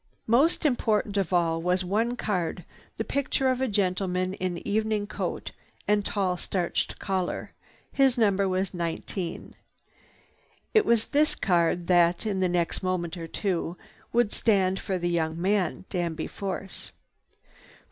Most important of all was one card, the picture of a gentleman in evening coat and tall, starched collar. His number was 19. It was this card that, in the next moment or two, would stand for the young man, Danby Force.